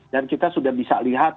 dan kita sudah bisa lihat